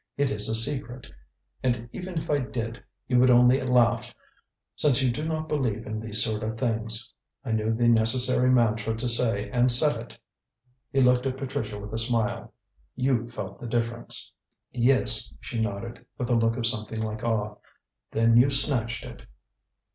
It is a secret. And even if I did, you would only laugh, since you do not believe in these sort of things. I knew the necessary mantra to say and said it." He looked at Patricia with a smile. "You felt the difference." "Yes," she nodded, with a look of something like awe. "Then you snatched it."